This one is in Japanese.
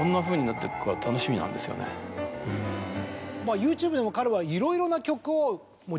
ＹｏｕＴｕｂｅでも彼は。